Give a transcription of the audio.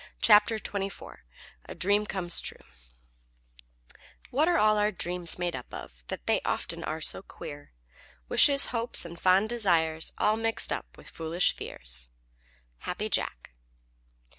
CHAPTER XXIV A DREAM COMES TRUE What are all our dreams made up of That they often are so queer? Wishes, hopes, and fond desires All mixed up with foolish fears. _Happy Jack.